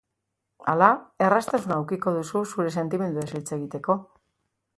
Hala, erraztasuna edukiko duzu zure sentimenduez hitz egiteko.